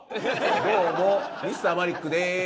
どうもＭｒ．マリックでーす。